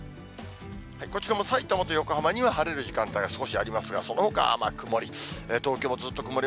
こちらも、さいたまと横浜には晴れる時間帯が少しありますが、そのほかはまあ曇り。